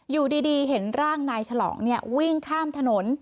อยู่ดีเห็นร่างนายฉลองวิ่งข้ามถนน